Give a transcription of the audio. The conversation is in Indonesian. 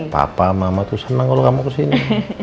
papa mama tuh seneng kalo kamu kesini